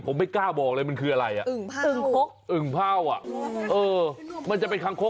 ผมไม่กล้าบอกเลยมันคืออะไร